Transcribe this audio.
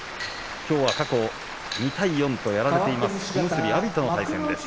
きょうは過去２対４とやられている阿炎との対戦です。